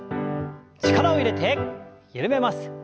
力を入れて緩めます。